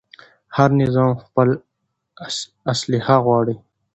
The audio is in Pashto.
هر نظام خپل اصلاح غواړي